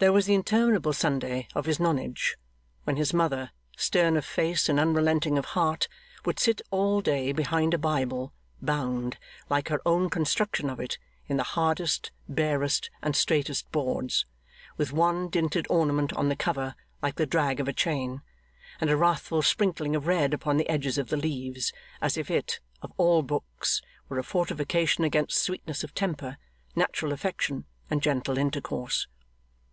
There was the interminable Sunday of his nonage; when his mother, stern of face and unrelenting of heart, would sit all day behind a Bible bound, like her own construction of it, in the hardest, barest, and straitest boards, with one dinted ornament on the cover like the drag of a chain, and a wrathful sprinkling of red upon the edges of the leaves as if it, of all books! were a fortification against sweetness of temper, natural affection, and gentle intercourse.